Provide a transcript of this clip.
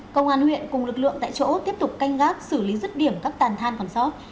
công an huyện cùng lực lượng tại chỗ tiếp tục canh gác xử lý rứt điểm các tàn than còn sót